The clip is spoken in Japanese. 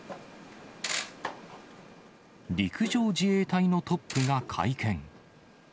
陸上自衛隊のトップが会見。